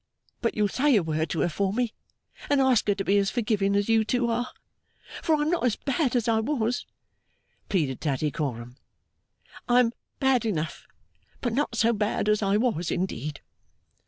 But you'll say a word to her for me, and ask her to be as forgiving as you two are? For I am not so bad as I was,' pleaded Tattycoram; 'I am bad enough, but not so bad as I was, indeed.